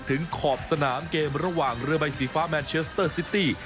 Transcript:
ขอบสนามเกมระหว่างเรือใบสีฟ้าแมนเชสเตอร์ซิตี้